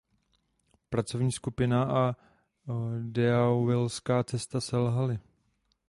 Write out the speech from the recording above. Pracovní skupina a deauvillská cesta selhaly.